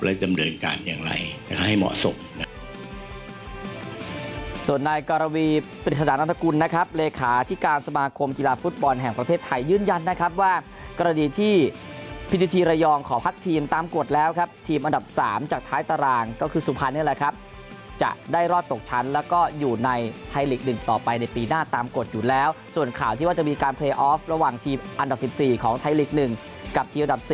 และจำเดินการอย่างไรจะให้เหมาะสมนะครับ